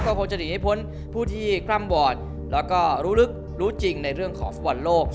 ก็คงจะหนีให้พ้นผู้ที่คล่ำวอดแล้วก็รู้ลึกรู้จริงในเรื่องของฟุตบอลโลก